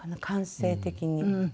感性的に。